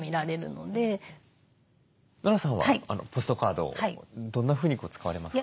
ノラさんはポストカードをどんなふうに使われますか？